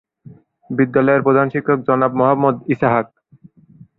বিদ্যালয়ের প্রধান শিক্ষক জনাব মোহাম্মদ ইসহাক।